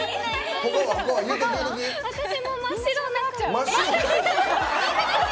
私も、真っ白。